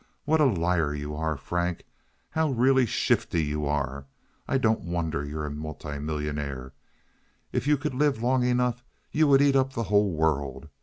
What a liar you are, Frank! How really shifty you are! I don't wonder you're a multimillionaire. If you could live long enough you would eat up the whole world.